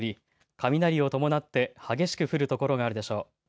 雷を伴って激しく降る所があるでしょう。